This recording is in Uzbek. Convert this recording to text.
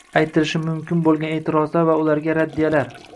Aytilishi mumkin bo‘lgan e’tirozlar va ularga raddiyalar: